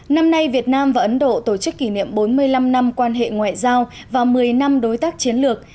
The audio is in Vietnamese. năm nay việt nam và ấn độ tổ chức kỷ niệm bốn mươi năm năm quan hệ ngoại giao và một mươi năm đối tác chiến lược